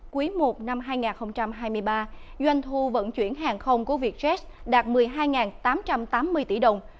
quý i năm hai nghìn hai mươi ba doanh thu vận chuyển hàng không của vietjet đạt một mươi hai tám trăm tám mươi tỷ đồng